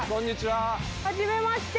はじめまして。